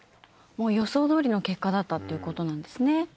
もう予想どおりの結果だったっていうことなんですね。